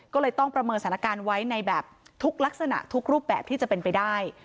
ก็เลยต้องประเมินสถานการณ์ไว้ในแบบทุกลักษณะทุกรูปแบบที่จะเป็นไปได้